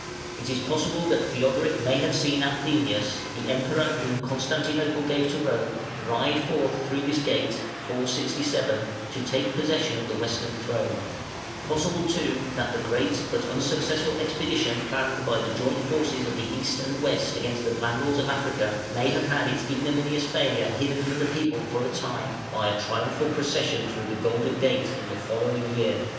It is possible that Theodoric may have seen Anthemius, the Emperor whom Constantinople gave to Rome, ride forth through this gate (467) to take possession of the Western throne: possible too that the great but unsuccessful expedition planned by the joint forces of the East and West against the Vandals of Africa may have had its ignominious failure hidden from the people for a time by a triumphal procession through the Golden Gate in the following year (468).